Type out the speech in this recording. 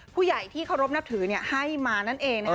ผู้ใหญ่ที่เคารพนับถือเนี่ยให้มานั่นเองนะครับ